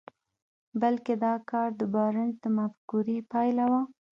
بلکې دا کار د بارنس د مفکورې پايله وه.